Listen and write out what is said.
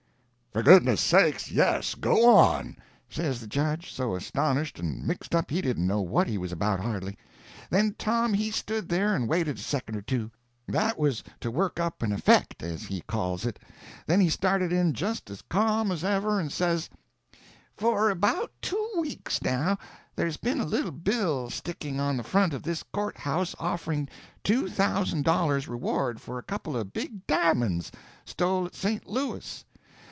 "For God's sake, yes—go on!" says the judge, so astonished and mixed up he didn't know what he was about hardly. Then Tom he stood there and waited a second or two—that was for to work up an "effect," as he calls it—then he started in just as ca'm as ever, and says: "For about two weeks now there's been a little bill sticking on the front of this courthouse offering two thousand dollars reward for a couple of big di'monds—stole at St. Louis.